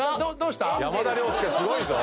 山田涼介すごいぞ。